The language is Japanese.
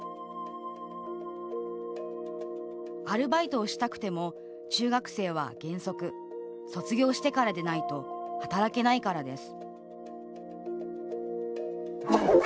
アルバイトをしたくても中学生は原則、卒業してからでないと働けないからです